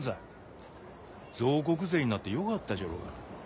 造石税になってよかったじゃろうが。